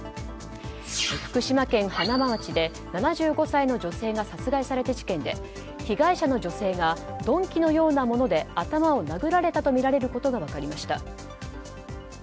福島県塙町で７５歳の女性が殺害された事件で被害者の女性が鈍器のようなもので頭を殴られたとみられることが分かりました。